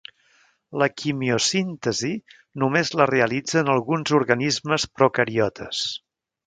La quimiosíntesi només la realitzen alguns organismes procariotes.